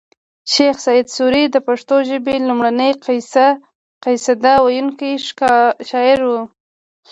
شیخ اسعد سوري د پښتو ژبې لومړنۍ قصیده ویونکی شاعر و